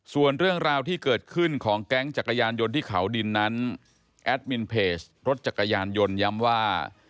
ส่วนเรื่องราวที่เกิดขึ้นของแก๊งจักรยานยนต์ที่เขาดินนั้นแอดมินเพจรถจักรยานยนต์ย้ำว่า